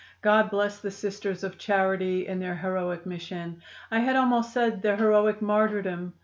God bless the Sisters of Charity in their heroic mission! I had almost said their heroic martyrdom!